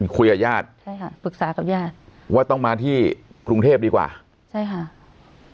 คุยกับญาติใช่ค่ะปรึกษากับญาติว่าต้องมาที่กรุงเทพดีกว่าใช่ค่ะ